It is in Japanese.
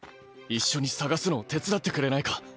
一緒に捜すのを手伝ってくれないか？